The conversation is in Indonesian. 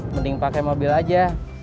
mending pake mobil aja